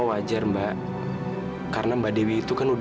sayang banget habis adais alih dirimu